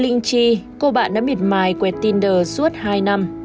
linh trị cô bạn đã miệt mài quẹt tinder suốt hai năm